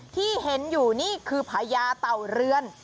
ที่เห็นอยู่นี่คือพญาเต่าเรือน